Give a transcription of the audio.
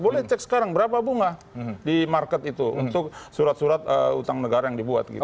boleh cek sekarang berapa bunga di market itu untuk surat surat utang negara yang dibuat gitu